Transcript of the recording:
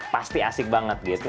pasti asik banget gitu